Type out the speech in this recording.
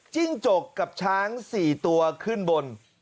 จิ้งจกกับช้าง๔ตัวขึ้นบน